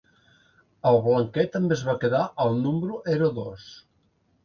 El Blanquet també es va quedar el número ero dos.